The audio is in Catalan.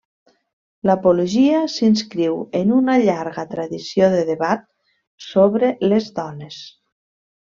L'Apologia s'inscriu en una llarga tradició de debat sobre les dones.